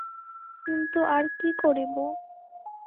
কিন্তু আর কী করিব?